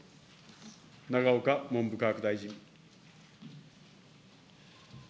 永岡文部科学大臣。